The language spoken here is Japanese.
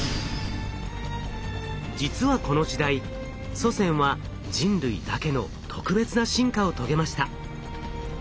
実はこの時代祖先は人類だけの特別な進化を遂げました。